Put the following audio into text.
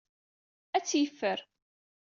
Ad tt-yeffer.